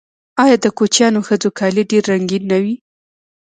آیا د کوچیانیو ښځو کالي ډیر رنګین نه وي؟